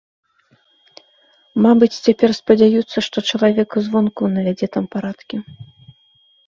Мабыць, цяпер спадзяюцца, што чалавек звонку навядзе там парадкі.